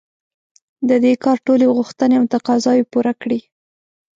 د دې کار ټولې غوښتنې او تقاضاوې پوره کړي.